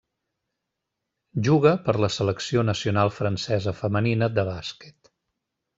Juga per la selecció nacional francesa femenina de bàsquet.